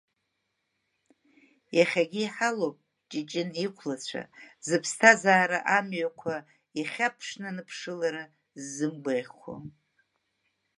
Иахьагьы иҳалоуп Ҷыҷын иқәлацәа, зыԥсҭазаара амҩақәа ихьаԥшны аныԥшылара ззымгәаӷьқәо.